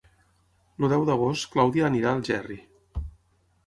El deu d'agost na Clàudia irà a Algerri.